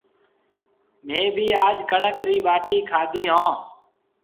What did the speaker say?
ميه بي آج ڪڻڪ رِي ٻاٽِي کادِي هون